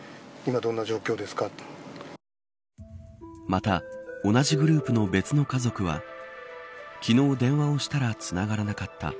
また同じグループの別の家族は昨日電話をしたらつながらなかった。